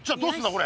これ。